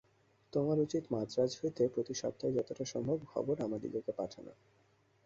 তোমার উচিত মান্দ্রাজ হইতে প্রতি সপ্তাহে যতটা সম্ভব খবর আমাদিগকে পাঠান।